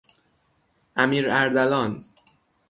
امیراردلان